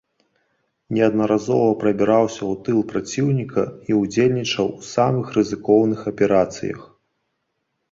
Неаднаразова прабіраўся ў тыл праціўніка і ўдзельнічаў у самых рызыкоўных аперацыях.